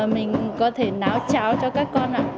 mình có thể náo cháo cho các con ạ